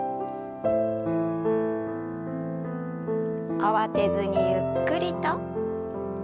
慌てずにゆっくりと。